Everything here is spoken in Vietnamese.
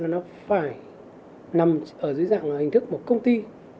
nó phải nằm ở dưới dạng hình thức của công ty